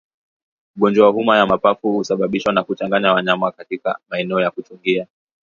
Ugonjwa wa homa ya mapafu husababishwa na kuchanganya wanyama katika maeneo ya kuchungia